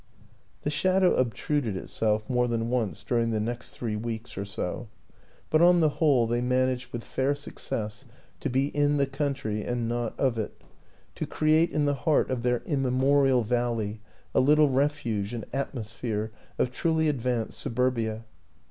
The shadow obtruded itself more than once during the next three weeks or so; but on the WILLIAM AN ENGLISHMAN 49 whole they managed with fair success to be in the country and not of it to create in the heart of their immemorial valley a little refuge and atmosphere of truly advanced suburbia.